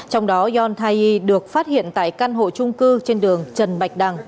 trong đó yon tai yi được phát hiện tại căn hộ trung cư trên đường trần bạch đằng